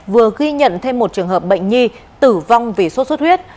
vừa ghi nhận thêm một trường hợp bệnh nhi tử vong vì sốt xuất huyết